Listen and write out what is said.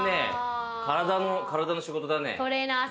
体の仕事だね。